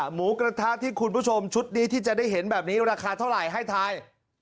หมูกระทะที่คุณผู้ชมชุดนี้ที่จะได้เห็นแบบนี้ราคาเท่าไหร่ให้ทาย